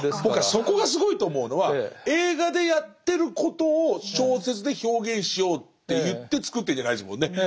僕はそこがすごいと思うのは映画でやってることを小説で表現しようっていって作ってんじゃないですもんね。